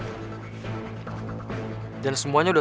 indra terima kasih ya